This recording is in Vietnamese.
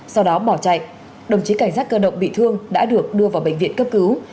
sau đó bỏ chạy đồng chí cảnh sát cơ động bị thương đã được đưa vào bệnh viện cấp cứu